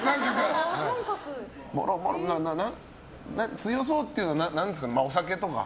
強そうっていうのは何ですかねお酒とか？